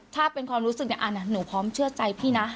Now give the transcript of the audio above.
ถ้าเป็นความรู้สึกเนี่ยหนูพร้อมเชื่อใจพี่นะ